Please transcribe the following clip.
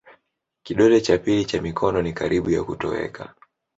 Kidole cha pili cha mikono ni karibu ya kutoweka.